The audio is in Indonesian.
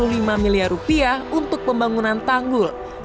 sehingga kemudian diperlukan penggunaan yang berbeda